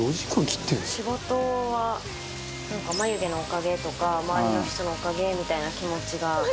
仕事は、眉毛のおかげとか周りの人のおかげみたいな気持ちが。